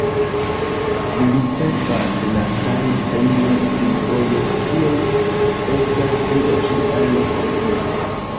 Li ricevas la Stalin-premion kvinfoje, kiom estas pli ol ĉiu alia komponisto.